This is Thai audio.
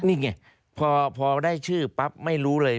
นี่ไงพอได้ชื่อปั๊บไม่รู้เลย